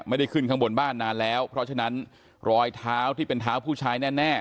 ไม่ได้ขึ้นข้างบนบ้านนานแล้วเพราะฉะนั้นรอยเท้าที่เป็นเท้าผู้ชายแน่